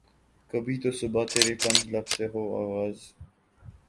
کبھی تو صبح ترے کنج لب سے ہو آغاز